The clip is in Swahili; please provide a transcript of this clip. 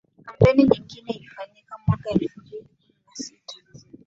kampeini nyingine ilifanyika mwaka elfu mbili kumi na sita